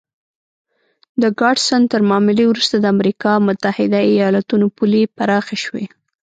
د ګاډسن تر معاملې وروسته د امریکا متحده ایالتونو پولې پراخې شوې.